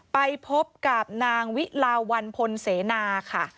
ไปพบกับนางวิลาวันพลเสนาค่ะ